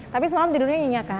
tapi semalam tidurnya nyenyak kan